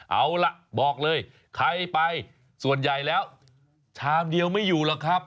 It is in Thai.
เอาล่ะบอกเลยใครไปส่วนใหญ่แล้วชามเดียวไม่อยู่หรอกครับ